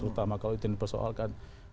terutama kalau itu yang dipersoalkan